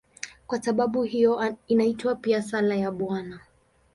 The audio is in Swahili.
Kwa sababu hiyo inaitwa pia "Sala ya Bwana".